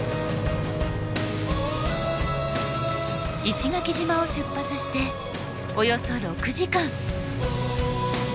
石垣島を出発しておよそ６時間。